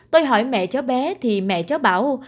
tôi hỏi mẹ cháu bé thì mẹ cháu bảo